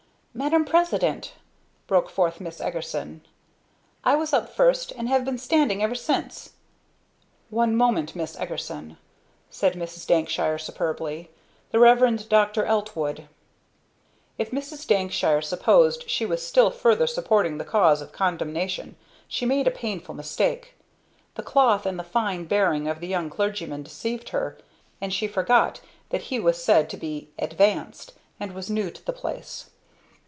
"Madam President!" broke forth Miss Eagerson. "I was up first and have been standing ever since " "One moment, Miss Eagerson," said Mrs. Dankshire superbly, "The Rev. Dr. Eltwood." If Mrs. Dankshire supposed she was still further supporting the cause of condemnation she made a painful mistake. The cloth and the fine bearing of the young clergyman deceived her; and she forgot that he was said to be "advanced" and was new to the place.